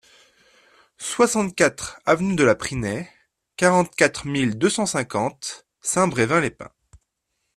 soixante-quatre avenue de la Prinais, quarante-quatre mille deux cent cinquante Saint-Brevin-les-Pins